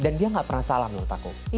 dan dia ga pernah salah menurut aku